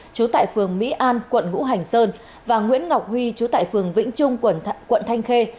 trú tại phường mỹ an quận ngũ hành sơn và nguyễn ngọc huy chú tại phường vĩnh trung quận thanh khê